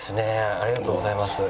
ありがとうございます。